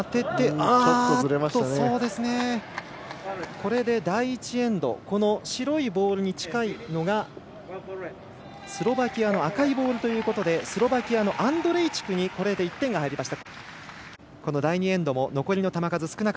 これで第１エンド白いボールに近いのがスロバキアの赤いボールということでスロバキアのアンドレイチクに１点が入りました。